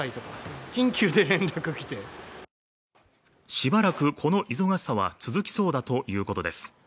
しばらくこの忙しさは続きそうだということです。